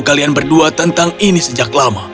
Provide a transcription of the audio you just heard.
kalian berdua tentang ini sejak lama